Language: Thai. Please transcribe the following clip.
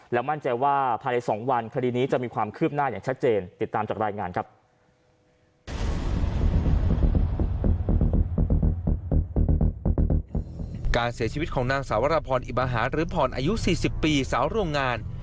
แล้วมั่นใจว่าภายใน๒วันคดีนี้จะมีความคืบหน้าอย่างชัดเจน